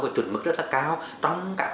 và chuẩn mức rất là cao trong cả